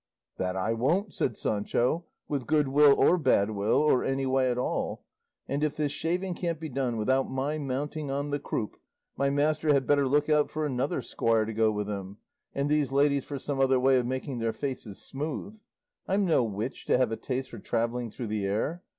"That I won't," said Sancho, "with good will or bad will, or any way at all; and if this shaving can't be done without my mounting on the croup, my master had better look out for another squire to go with him, and these ladies for some other way of making their faces smooth; I'm no witch to have a taste for travelling through the air.